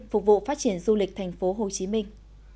phục vụ phát triển du lịch thành phố hồ chí minh